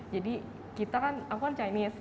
jadi kita kan aku kan chinese